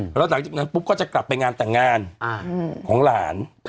แล้วหลังจากนั้นปุ๊บก็จะกลับไปงานแต่งงานของหลาน